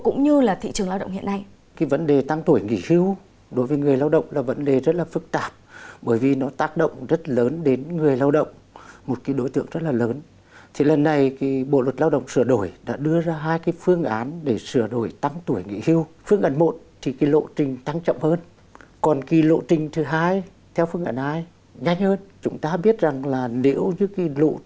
cũng như thị trường lao động hiện nay